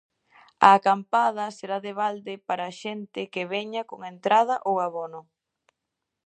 A acampada será de balde para a xente que veña con entrada ou abono.